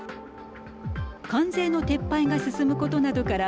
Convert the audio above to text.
関税の撤廃が進むことなどから